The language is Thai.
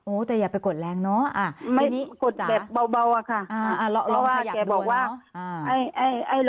โอ้แต่อย่าไปกดแรงเนอะ